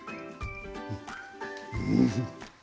うん。